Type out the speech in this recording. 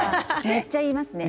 めっちゃ言いますね。